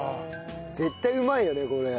絶対うまいよねこれ。